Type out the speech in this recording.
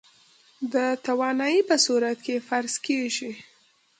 د توانايي په صورت کې فرض کېږي.